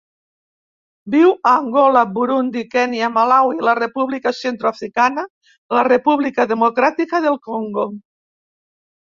Viu a Angola, Burundi, Kenya, Malawi, la República Centreafricana, la República Democràtica del Congo.